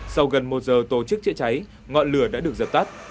sau gần một giờ tổ chức chữa cháy ngọn lửa đã được dập tắt